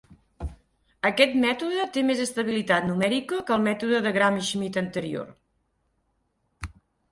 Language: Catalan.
Aquest mètode té més estabilitat numèrica que el mètode Gram-Schmidt anterior.